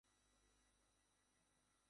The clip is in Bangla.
অমন কাজ করিবেন না।